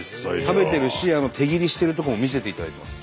食べてるし手切りしてるとこも見せていただいてます。